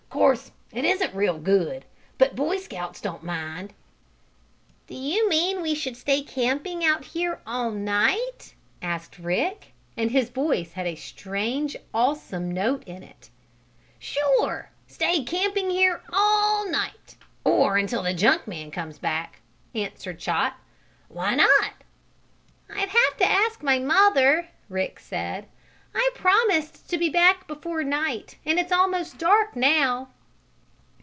Course it isn't real good, but Boy Scouts don't mind." "Do you mean we should stay camping out here all night?" asked Rick, and his voice had a strange awesome note in it. "Sure, stay camping here all night or until the junk man comes back," answered Chot. "Why not?" "I'd have to ask my mother," Rick said. "I promised to be back before night, and it's almost dark now."